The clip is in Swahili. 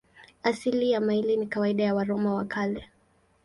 Asili ya maili ni kawaida ya Waroma wa Kale.